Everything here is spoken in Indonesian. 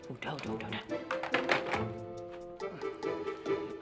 udah udah udah